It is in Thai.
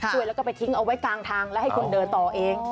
ช่วยแล้วก็ไปทิ้งเอาไว้กลางทางแล้วให้คนเดินต่อเอง